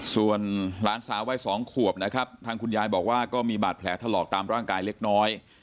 ส่วนหลานสาววัย๒ขวบนะครับทางคุณยายบอกว่าก็มีบาดแผลถลอกตามร่างกายเล็กน้อย